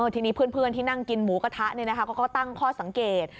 ทีนี้เพื่อนที่นั่งกินหมูกระทะเขาก็ตั้งข้อสังเกต